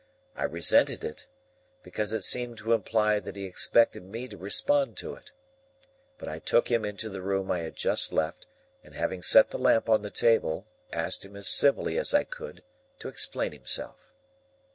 I resented it, because it seemed to imply that he expected me to respond to it. But I took him into the room I had just left, and, having set the lamp on the table, asked him as civilly as I could to explain himself.